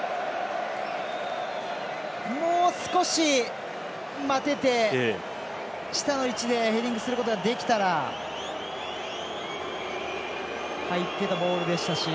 もう少し、待てて下の位置でヘディングすることができたら入ってたボールでしたし。